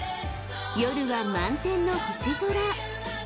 ［夜は満天の星空］